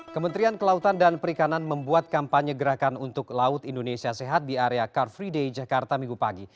kementerian kelautan dan perikanan membuat kampanye gerakan untuk laut indonesia sehat di area car free day jakarta minggu pagi